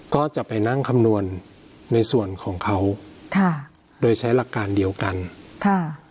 ก็จะไปนั่งคำนวณในส่วนของเขาค่ะโดยใช้หลักการเดียวกันค่ะ